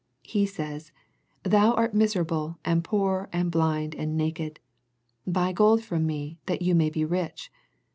He says " Thou art miserable and poor and blind and naked." Buy gold from Me that you may be rich.